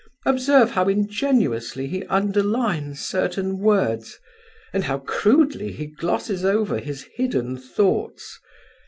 Observe how ingenuously he underlines certain words, and how crudely he glosses over his hidden thoughts.